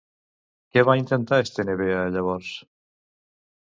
Què va intentar Estenebea llavors?